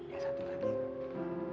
yang satu lagi